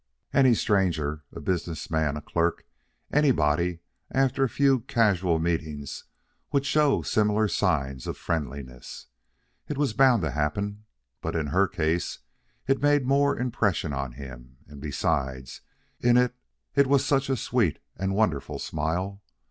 Any stranger, a business man, a clerk, anybody after a few casual meetings would show similar signs of friendliness. It was bound to happen, but in her case it made more impression on him; and, besides, it was such a sweet and wonderful smile.